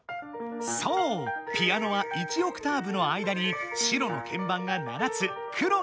そうピアノは１オクターブの間に白のけんばんが７つ黒が５つ。